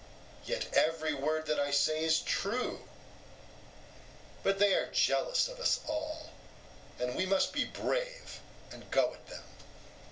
Yet every word that I say is true. But they are jealous of us all; and we must be brave and go at them.